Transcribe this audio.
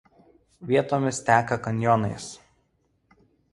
Vietomis teka kanjonais.